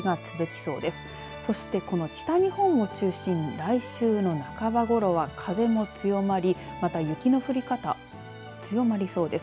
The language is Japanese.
そして、この北日本を中心に来週の半ばごろは、風も強まりまた雪の降り方強まりそうです。